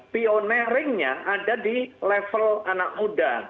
pioneeringnya ada di level anak muda